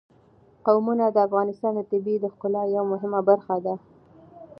قومونه د افغانستان د طبیعت د ښکلا یوه مهمه برخه ده.